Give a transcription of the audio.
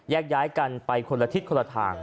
ย้ายกันไปคนละทิศคนละทาง